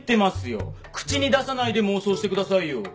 口に出さないで妄想してくださいよ。